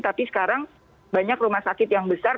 tapi sekarang banyak rumah sakit yang besar